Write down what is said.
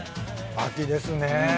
秋ですね。